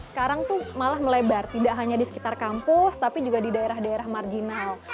sekarang tuh malah melebar tidak hanya di sekitar kampus tapi juga di daerah daerah marginal